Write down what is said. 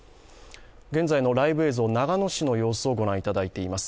現在のライブ映像、長野市の様子をご覧いただいています。